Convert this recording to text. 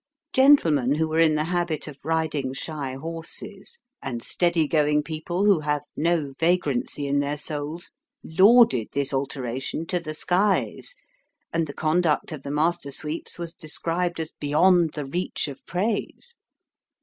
Gentlemen who were in the habit of riding shy horses ; and steady going people who have no vagrancy in their souls, lauded this alteration to the skies, and the conduct of the master sweeps was described as beyond the reach of praise.